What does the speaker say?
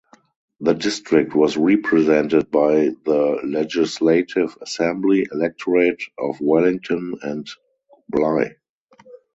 The district was represented by the Legislative Assembly electorate of Wellington and Bligh.